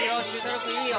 いいよ。